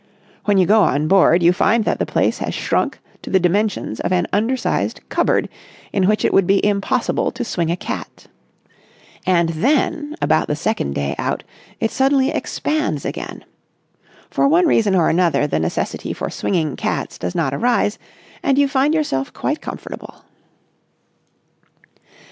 When you go on board, you find that the place has shrunk to the dimensions of an undersized cupboard in which it would be impossible to swing a cat. And then, about the second day out, it suddenly expands again. For one reason or another the necessity for swinging cats does not arise, and you find yourself quite comfortable.